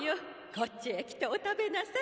こっちへ来てお食べなさい。